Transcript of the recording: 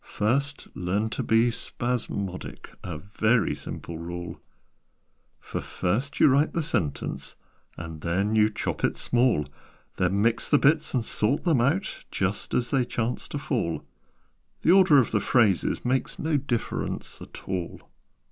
First learn to be spasmodic A very simple rule. "For first you write a sentence, And then you chop it small; Then mix the bits, and sort them out Just as they chance to fall: The order of the phrases makes No difference at all.